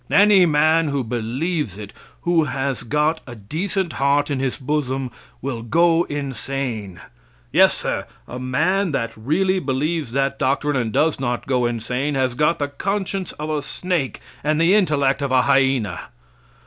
Any man who believes it, who has got a decent heart in his bosom, will go insane. Yes, sir, a man that really believes that doctrine and does not go insane, has got the conscience of a snake and the intellect of a hyena.